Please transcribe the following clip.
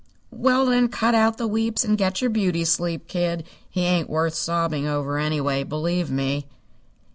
"Well, then, cut out the weeps and get your beauty sleep, kid. He ain't worth sobbing over, anyway, believe me."